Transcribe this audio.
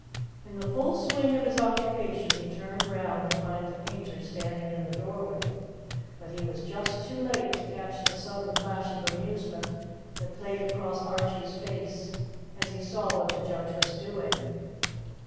In the full swing of his occupation he turned round to find the painter standing in the doorway, but he was just too late to catch the sudden flash of amusement that played across Archie's face as he saw what the judge was doing.